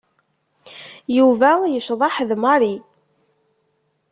Yuba yecḍeḥ d Mary.